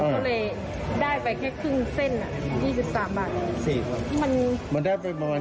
ก็เลยได้ไปแค่ครึ่งเส้นอ่ะยี่สิบสามบาทสี่บาทมันมันได้ไปประมาณ